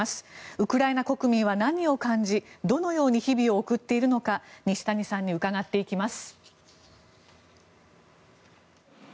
ウクライナ国民は何を感じどのような日々を送っているのか西谷さんに伺っていきます。